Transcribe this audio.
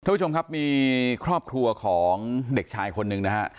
ผู้ชมครับมีครอบครัวของเด็กชายคนหนึ่งนะฮะ